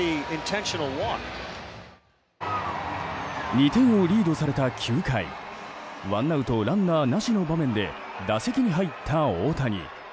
２点をリードされた９回ワンアウトランナーなしの場面で打席に入った大谷。